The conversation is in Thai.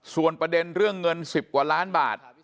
ส่วนประเด็นเรื่องเงิน๑๐กว่าล้านบาท